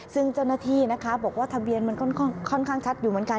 ซึ่งเจ้าหน้าที่นะคะบอกว่าทะเบียนมันค่อนข้างชัดอยู่เหมือนกัน